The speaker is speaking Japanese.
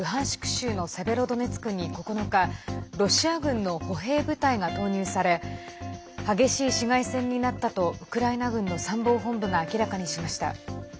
州のセベロドネツクに９日ロシア軍の歩兵部隊が投入され激しい市街戦になったとウクライナ軍の参謀本部が明らかにしました。